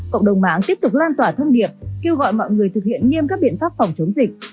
cộng đồng mạng tiếp tục lan tỏa thông điệp kêu gọi mọi người thực hiện nghiêm các biện pháp phòng chống dịch